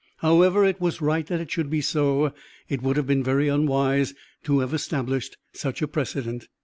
However, it was right that it should be so; it would have been very unwise to have established such a precedent.